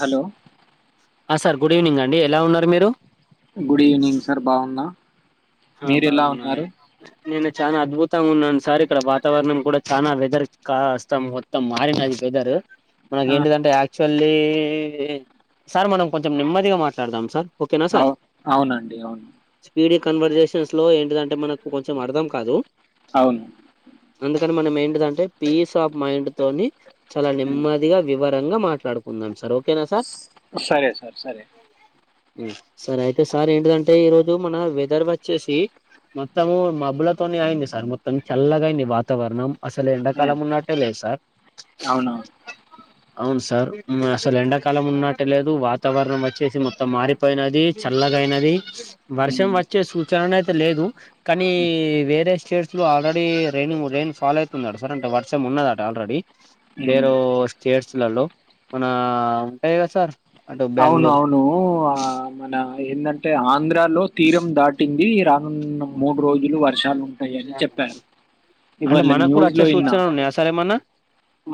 Hello ఆ sir good evening అండి ఎలా ఉన్నారు మీరు గుడ్ ఈవెనింగ్ సార్ బాగుంన్నా ఆ బాగున్నాయి నేను చాలా అద్భుతంగా ఉన్నాను సార్ ఇక్కడ వాతావరణం కూడా చాలా వెదర్ కాస్త మొత్తం మారినది వెదర్ మన ఆ ఏంటి దంటే యాక్చువల్ మళ్ళి సార్ మనం కొంచెం నెమ్మదిగా మాట్లాడదాం సార్ ఓకేనా అవు అవునండి అవును కొందర్చేసి [unintelligible] లో ఏంటింటే మనకు కొంచెం అర్థం కాదు అవును అందుకని మనం ఏంటిదంటే పీస్ ఆఫ్ మైండ్ తోని చాలా ఉమ్. నెమ్మదిగా వివర రంగా మాట్లాడుకుందాం సార్ ఓకే సరే సర్ సరే ఉమ్ సరే అయితే సార్ ఏంటిదంటే ఈ రోజు మన వెదర్ వచ్ చ్చేసి మొత్తము మబ్బులతోనే అయింది సార్ మొత్తం చల్లగా అయింది వాతావరణం అసలు ఉమ్, ఎండాకాలం ఉన్నట్టే లేదు సార్ అవునవును అవును స సార్ ఉమ్ అసలు ఎండాకాలం ఉన్నట్టు లేదు వాతావరణం వచ్చేసి మొత్తం మారిపోయినది చల్లగైనది వర్షం ఉమ్, వచ్చే సు చన అయితే లేదు కానీ వేరే స్టేట్స్ లో ఆల్రెడి రైనింగ్ రైన్ ఫాలో అయితుందట సార్ అంటే వర్షం ఉన్నదట ఆల్రెడీ ఉమ్. వెరు స్టేట్స్ లలో మన ఉంటాయి కదా సార్ అటు అవును బెంగళూరు అవును ఆ మన ఏందంటే ఆంధ్రాలో తీరం దాటి ది రానున్న ముడ్ డు రోజులు వర్షాలు ఉంటాయని చెప్పారు అంటే ఇవాళ మనకు కూడా న్యూస్ లో వచ్చే ఇన్న సూచనలు ఉన్నాయా సార్ ఏమన్నా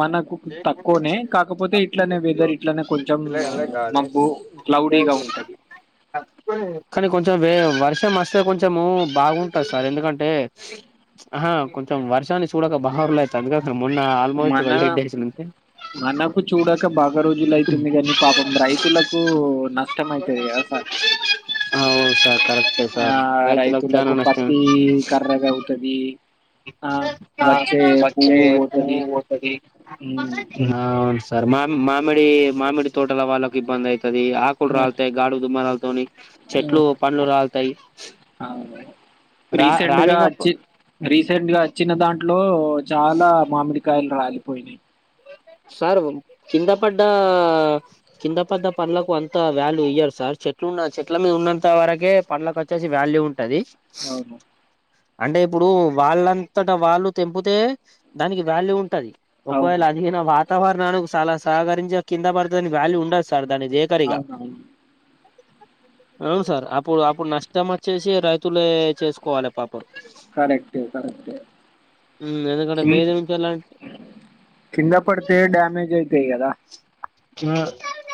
మనకు తక్కువనే కాకపోతే ఇట్లనే వెదర్ ఇట్లనే కొంచెం ఆ కానీ మబ్బు క్లౌడీగా ఉంటది కొం కొంచం వేర్ వర్షం వస్తే కొంచము బాగుంట సార్ ఎందుకంటే ఆహా కొంచెం వర్షాన్ని చూడక బహారులుయితందిగా మన మనకు చూడక బాగా రోజులు అయితుంది కానీ పాపం రైతులకు నష్టం అయితది కదా సార్ ఆ అవును సార్ కరెక్టే సార్ రైతులకి చానా నష్టం ఈ కర్రేగా అవుతది వచ్చే పువ్వు పువ్వు పోతది పోతది ఉమ్ ఆ అవును స సార్ మామి మామిడి మామిడి తోటల వాళ్ళకి ఇబంది అయిత్ తది ఆకులు ఆ రాలుతాయి గాడు దుమ్మారాలతోని చెట్లు పండ్లు రాలతాయి ఆ రా రాలినప్పు రీసెంట్గా వచిన్న దాంట్లో చాలా మామిడికాయలు రాలిపోయినాయి సార్ కింద పడ్డ కింద పడ్డ పండ్లకు అంత వ్యాల్యూ ఇయ్యరు సార్ చెట్లున్న చెట్ల మీద ఉన్నంత వరకే పండ్లకు వచ్చేసి వాల్యూ ఉం టది అవును అంటే ఇప్పుడు వాళ్ళంతట వాళ్ళు తెంపుతే దానికి వాల్యూ ఉంటది అవును ఈన వాతావరణానికి చాలా సహకరించ కింద పడ్తె వాల్యూ ఉండదు స సర్ దాన్ని దేకరింక అవునవును అవును సార్ అప్పుడు అప్పుడు నష్టం వచ్చేసి రైతులే చేసుకోవాలి పాప పం కరెక్టే కరెక్టే ఉమ్ ఎందుకంటే కిం మేమేం చెయ్యలా అంటే కింద పడతే డ్యామేజ అయితే కదా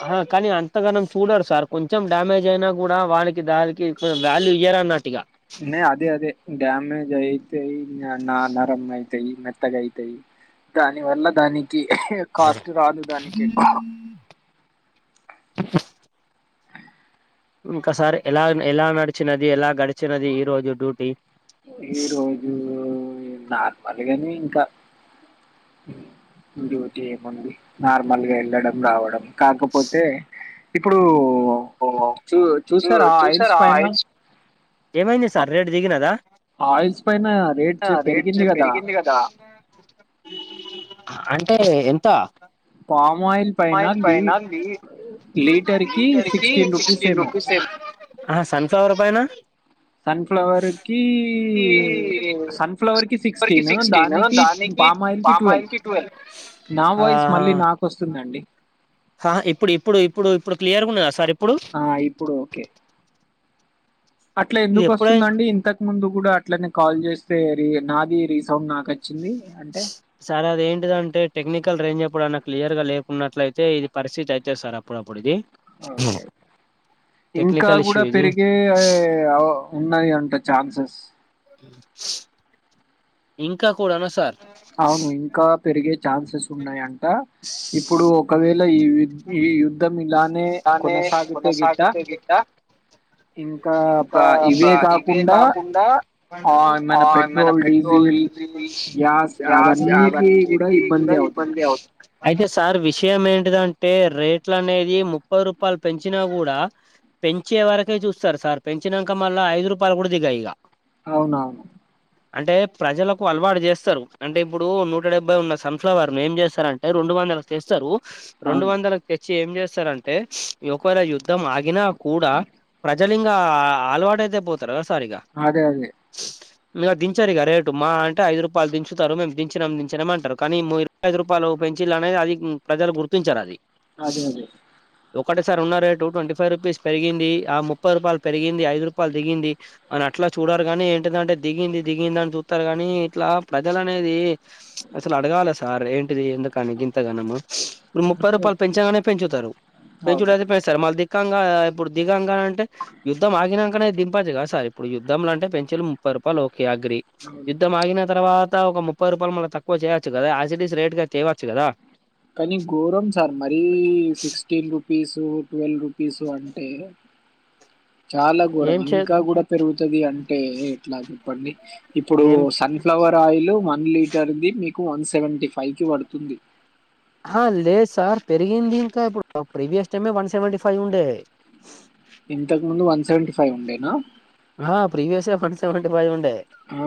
ఆ కానీ అంతగానం చూడరు సార్ కొంచెం డ్యామేజ్ అయినా కూడా వాళ్ళకి దానికి వాల్యూ ఇయ్యరు అన్నట్టుగా న అదే అదే డ్యామేజ్ అయితాయి నా నరం అయితాయి మెత్తగా అయితాయి దాని వల్ల దానికి కాస్ట్ రాదు దానికి ఇంకా సార్ ఎలా ఎలా నడిచినది ఎలా గడిచినది ఈ రోజు డ్యూటీ ఈ రోజు నార్మల్గాని ఇంకా డ్యూటీ ఏముంది నార్మల్గా వెళ్ళడం రావడం కాకపోతే ఇప్పుడు ఓ చూ చూసారా ఆ ఏమైంది సార్ రేటు దిగినదా ఆయిల్స్ పైన రేట్ పెరిగింది కదా అంటే ఎంత మ్ ఆయిల్ పైన లీ లీటర్కి సిక్స్టీన్ రూపీస్ ఏమో సన్ఫ్లవర్ పైన సన్ఫ్లవర్కి ఈ సన్ఫ్లవర్కి సిక్స్టీన్ దానికి పామా ఆయిల్ కి ట్వెల్వ్ నా వాయిస్ మళ్ళీ నాకు వస్తుందండి ఆ ఇప్పుడు ఇప్పుడు ఇప్పుడు ఇప్పుడు క్లియర్ ఉన్నా ఆ సార్ప్పు ఆ ఇప్పుడు ఓకే అట్లా ఇది ఎందుకు ఎప్పుడై వస్తుందండి ఇంతకు ముందు కూడా అట్లనే కాల్ చేస్తే రీ నాది రీసౌండ్ నాక సరే అదేంటిద అంటే టెక్నిక్ కల్ రేంజ్ప్పుడైనా క్లిర్ గా లేకున్నట్లయితే ఇది పరిస్థితి అయితే సార్ అప్పుడప్పుడు ఇది ఓకే ఇంకా టెక్నికల్ ఇష్యూ కూడా ఇది పెరిగే ఉన్నాయి అంట ఛాన్సెస్ ఇంకా కూడానా సార్ అవును ఇంకా పెరిగే ఛాన్సెస్ ఉన్నాయిండి ఇప్పుడు ఒకవేళ ఈ ఈ సిస్టమ్ ఇలానే దాన్ని కొనసాగితే గిట్ట కొనసాగితే ఇంకా ఇవే కాకుండా మన పెట్రోల్ డీజిల్ గ్యాస్ గ్యాస్ అవ్వని కూడా ఇబ్బంది అవత అయితే సార్ విషయం ఏంటిదంటే రేట్ అనేది ముప్పై రూపాయలు పెంచినా కూడా పెంచే వరకే చూస్తారు సార్ పెంచాక మళ్ళా ఐదు రూపాయలు కూడా దిగా ఇక అవునవును అంటే ప్రజలకు అలవాటు చేస్తారు అంటే ఇప్పుడు నూట డెబ్బై ఉన్న సన్ఫ్లవర్ ను ఏం చేస్తారంటే రెండు వందలు చేస్తారు రెండు అవును వందల చి ఏం చేస్తారంటే ఒకవేళ యుద్ధం ఆగిన కూడా ప్ర జలింగా అలవాటు అయితే పోతారా సారీగా అదే అదే ఇగ దించారీగా రేటు మాహ అంటే ఐదు రూపాయలు దించుతరు మేము దించినాం దించినమంటారు కానీ ఇ ఐదు రూపాయలు పెంచిళ్ళనేది అది ప్రజలు గుర్తించారు అది అదే అదే ఒకటే సార్ ఉన్నారుారే టూ ట్వంటీ ఫైవ్ రూపీస్ పెరిగింది ఆ ముప్పై రూపాయలు పెరిగింది ఐదు రూపాయలు దిగింది అని అట్లా చూడారు కాగాని ఏంటిదంటే దిగింది దిగింది అని చూతారు కాని ఇట్లా ప్రజల అనేది అసలు అడగాలే సార్ ఏంటిది ఎందుకని గింత గనము ముప్పై అదే రూపాల్ నే పెంచుతారు అవును పెంచుడయితే సగం మళ్ళ దిక్కంగా ఇప్పుడు దిగంగా అంటే యుద్ధం ఆగినంకనే దింపచ్చు కదా సార్ ఇప్పుడు యుద్ధం అంటే పెంచలు ముప్పై రూపాయలు ఒ కే అగ్రీ అవును యుద్ధం ఆగిన తర్వత్ త ఒక ముప్పై రూపాయలు మళ్ళ తక్కువ చేయవచ్చు కదా ఆయాసిటీస్ రేట్గా చేయవచ్చు కదా కానీ గోరం సార్ మరీ సిక్స్టీన్ రూపీస్ టు టువేల్ పిసు అంటే చాలా ఘోరం ఏం చే ఇంకా కూడా పెరుగుతది అంటే ఎట్లా చెప్పండి ఇప్పుడు ఏం సన్ఫ్లవర్ ఆయిల్ వన్ లీటర్ది వన్ సెవెీ ఫైవ్ కి పడుతుంది అహ లేదు సార్ పెరిగింది ఇంకా ఇప్పుడు ప్రీవియస్ టైమే వన్ సెవెంటీ ఫైవ్ ఉండే ఇంతకు ముందు వన్ సెవెంటీ ఫైవ్ ఉండేనా ఆ ప్రీవీయస్ ఏ వన్ సేవంటి ఫైవ్ ఉండె ఆ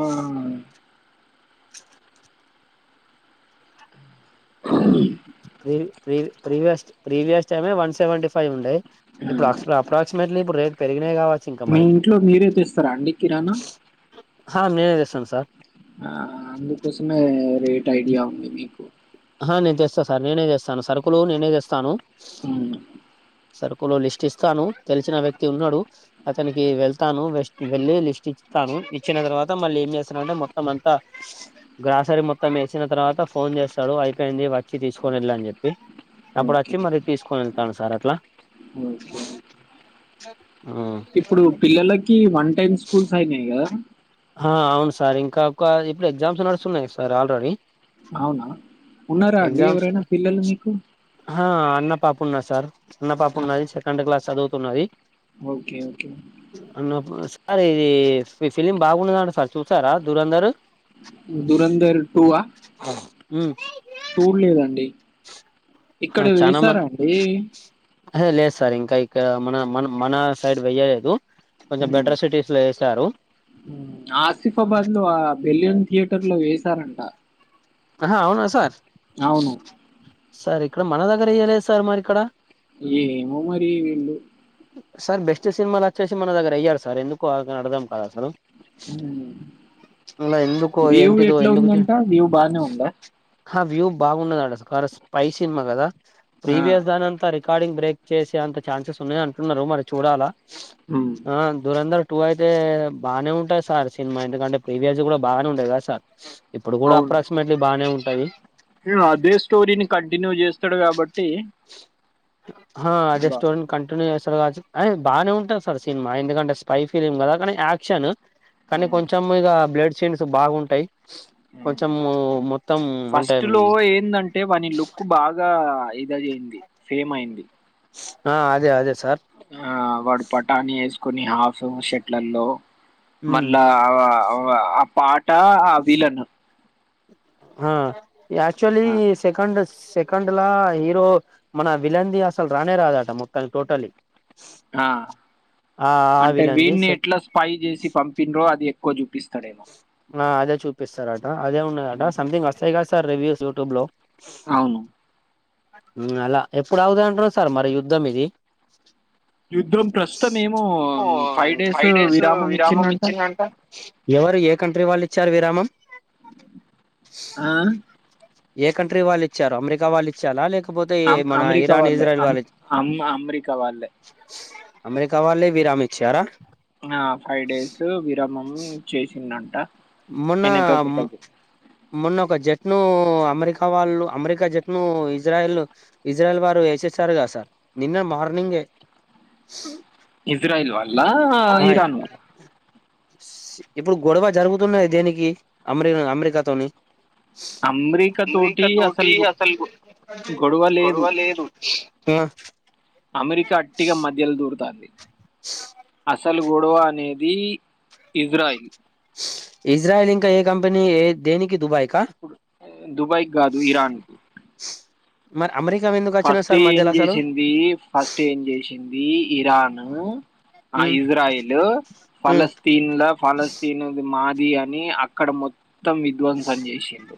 క్రి ప్రీ ప్రీవియస్ ప్రీవియస్ టైమ్ ఏ వన్ సెవెంటీ ఫైవ్ ఉండే్ ఆ. ఇప్పుడు అప్రోక్సిమేట్లీ ఇప్పుడు రేట్ పెరిగినయ్ కావ మీ ఇంట్లో మీరే తెస్తారా అండి కిరాణా సంసార్ ఆ అందుకోసమే రేట్ ఐడియా ఉంది మీకు ఆహ నేను చేస్తాను సార్ నేనే చేస్తాను సరుకులు నేనే చేస్తాను అవునా సరుకు లో లిస్ట్ ఇస్తాను తెలిసిన వ్యక్తి ఉన్నాడు అతనికి వెళ్తాను వె వెళ్ళి లిస్ట్ ఇస్తతాను ఇచ్చిన తర్వాత మళ్ళీ ఏం చేస్తానంటే మొత్తం అంతా గ్రాసరీ మొత్తం వేసిన తర్వాత ఫోన్ చేస్ డు అయిపోయింది వచ్చి తీసుకొని వెెళ్ళని చెప్పి అప్పుడు ఓకే. వచ్చి మరీ తీసుకొని వెళ్తాను సార్ అట్లా ఓకే. ఇప్పుడు పిల్లలకి వన్ టైమ్ స్కూల్స్ అయినాయి కదా ఆ అవును సార్ ఇంకా ఒక ఇప్పుడు ఎగ్జామ్స్ నడుస్తున్నాయి సార్ ఆల్రెడీ అవునా ఉన్నారా అండి ఎగ్జామ్స్ ఎవరైనా పిల్లలు మీకు వున్న పాపున్నా సార్ చిన్న పాప్పు ఆ! ఉన్నది సెకండ్ క్లాస్ చదు తున్నది ఓకే ఓకే సర్ ఇది ఫి ఫిలిమ్ బాగుండదండి సార్ చూసారా దురందరు దురంధర్ టు ఆ చూలేదండి ఇక్కడ వేసారా అండి అరె లేదు సార్ ఇంకా ఇక్కడ మన మన మన సైడ్ వెయలేదు ఊ ఊ ఆసిఫాబాద్ లో ఆ బెలియన్ థియేటర్ లో వేశారంట ఆహ అవునా సార్ అవును సార్ ఇక్కడ మన దగ్గర ఏయలేదు సార్ మరి ఇక్కడ ఏమో మరి వీళ్ళు సార్ బెస్ట్ సినిమాలు వచ్చేసి మన దగ్గర అయ్యడు సార్ ఎందుకు అ గని అడదం కాదసలు ఊ ఎందుకో దేవుడు ఏంటిదో ఎట్లా ఎందుకు చే ఉందంట వ్యూ బానే ఉందా ఆ వ్యూ బాగున దాట కర స్పై సినిమా కదా ఆ! ప్రీవియస్ దానంతరి రికార్డింగ్ బ్రేక్ చేసేంత చాన్సెస్ ఉన్నా టున్నరు మరి చూడాలా హ్మ్. ఆ దురంధర్ టూ అయితే బానే ఉంటది సార్ సినిమా ఎందుకంటే ప్రీవియస్ కూడా బాగనే ఉంటది కదా సార్ ఇప్పుడు కూడా అవును. అప్రాక్సిమేట్లీ బాగానే ఉ టది ఇగ అదే స్టోరీని కంటిన్యూ చేస్తాడు కాబట్టి ఆహా బా అదేస్టోరిని కంటున్యూ చెస్ తరు కావచ్చు అ బాగానే ఉంటంది సార్ సినిమా ఎందుకంటే స్పై ఫలిమ్ కదా కానీ యాక్షన్ కానీ కొంచెం ఇక బ్లడ్ సిన్స్ బాగుంటయి ఆ అంటే ఫస్ట్ లో ఏందంటే వాని లుక్ బాగా ఇదయింది సేమ్ అయింది ఆ అదే అదే సార్ ఆ వాడు పటాని ఎస్ కొన్ని హాఫ్ [unintelligible] షెట్లలో ఉమ్ మళ్ళా ఆ ఆ పాటా ఆ విలను ఆ యాక్చువలీ సెకండ్ వస్ సెకండ్ లా హీరో మన విలంది అసలు రానే రాదట మొత్తానికి టోటలీ ఆ ఆ ఆ అంటే విలన్ది వీని సె- ఎట్లా స్పై చేసి పంపిన్రో అది పొ చూపిస్తూ ఆ అదే చూడ్ పిస్తరా అదే ఉన్నాదంట సంథింగ్ వాస్తాయి కద సార్ రివ్యూస్ యూట్యూబ్ లో అవును మ్మ్ అలా ఎప్పుడు అగుదాం అంటున్నావ్ సార్ మరి యుద్ధం ఇది యుద్ధం ప్రస్తుతం ఏమో ఫైవ్ డేస్ విరామం ఇచ్చిందంట ఎవరు ఏ కంట్రీ వాళ్ళు ఇచ్చారు విరామం ఆ ఏ కంట్రీ వాళ్ళు ఇచ్చారు అమెరికా వాళ్ళు ఇచ్చారా లేక అమ్ అమెరికా వాళ్ళే అమ్ అమ్మ అమెరికా వాళ్ళే అమెరికా వాళ్ళే విరామ్ ఇచ్చారా ఆ ఫైవ్ డేస్ విరామ్ మమ్మీ చేసిందాన్ మొన్న మొన్న ఒక జ జట్లు అమెరికా వాళ్ళు అమెరికా జట్లును ఇజ్రాయల్ ఇజ్రాయల్ వారు యెసేసారుగా సార్ నిన్న మార్నింగే ఇజ్రాయిల్ వాళ్ళా ఇరాన్ వాళ్ళా ఇప్పుడు గొడవ జరుగు తున్నాయి దేనికి అమెరి అమెరికాతోని అమెరికా తోటి అసలు గొడవ లేదు ఆ అమెరికా అట్టిగా మధ్యలో దూరుతాంది అప్ అసలు గొడవ అనేది ఇజ్రాయిల్ ఇజ్రాయల్ ఇంకా ఏ కంపెనీ ఏ దేనికి దుబాయ్ కా ఇప్పుడు దుబాయ్ కి గాదు ఇరాన్ కి మ ఫస్ట్ ఏం జేసింది ఫస్ట్ ఏం జేసింది ఇరాన్ ఆ మ్మ్ ఇజ్రాయల్ ఉమ్ ఫాలస్తీన్ల ఫాలస్తీన్ మాది ఇది అని అక్కడ మొ మొత్తం విధ్వంసం జేసిరు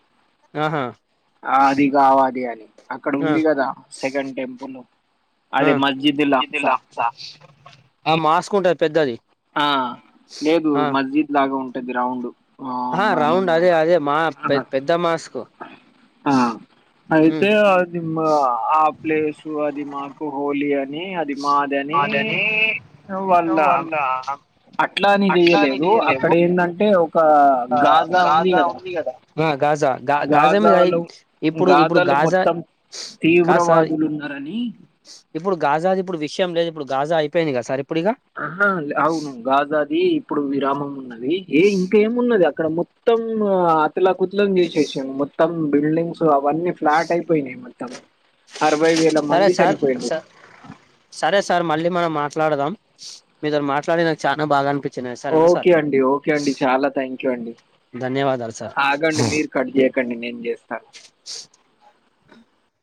ఆహా అది గావలి అని అక్కడ ఆ ఉంది గదా సెకండ్ టెంపుల్ ఆ అదే మస్జీదులాస లెక్కుంటది పెద్దది ఆ లేదు ఆ మస్జీద్ లాగా ఉంటు గ్రౌండ్ ఆహా రౌండ్ అదే అదే మా పె పెద్ద మాస్క్ ఆ అయితే ఉమ్ అది మా ఆ ప్లేసు అది మాకు హోలీ అని అది మాది అని అదని వాళ్ళ అట్లని అట్లా అని జేయలేదు చెయ్యలేదు అక్కడ ఏందంటే ఒక ఒక గాజా ఉంది గదా బ [inaudible] గాజా గా గాజా మీద ఇప్పుడు ఇప్పుడు గాజాలు గాజా మొత్తం కాసార్ తీవ్రవాదులు ఉన్నారని ఇప్పుడు గాజాది ఇప్పుడు విషయం లేదు ఇప్పుడు జా అయిపోయిందిగాద సే ఆ అవును గాజాది ఇప్పుడు విరామం ఉన్నది ఏ ఇంకా ఏమున్నది అ ఇక్కడ మొత్తం అతలా కుతులం చేసేసాం మొత్తం బిల్డింగ్స్ అన్నీ ఫ్లాట్ అయిపోయినాయి తం సరే సార్ సరే సార్ మళ్ళీ మనం మాట్ మాట్లాడాం మీదరు మాట్డి నాకు చాలా బాగా అనిపింది ఓకే అండి ఓకే అండి చాలా థ్యాంక్ యూ అండి ధన్యవాదాలు సార్ ఆగండి మీరు కట్ చే అక్కడిని నేం చేస్తాను